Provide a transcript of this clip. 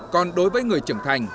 còn đối với người trưởng thành